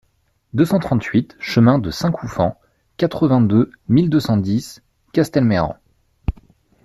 deux cent trente-huit chemin de Saint-Coufan, quatre-vingt-deux mille deux cent dix Castelmayran